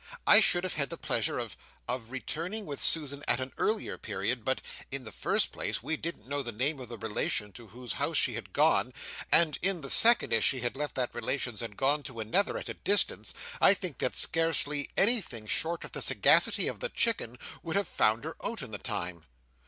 I should have had the pleasure of—of returning with Susan at an earlier period; but, in the first place, we didn't know the name of the relation to whose house she had gone, and, in the second, as she had left that relation's and gone to another at a distance, I think that scarcely anything short of the sagacity of the Chicken, would have found her out in the time."